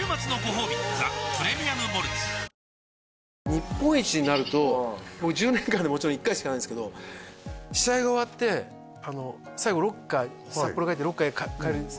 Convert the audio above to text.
日本一になると僕１０年間でもちろん１回しかないんですけど試合が終わって最後ロッカー札幌帰ってロッカーへ帰るんです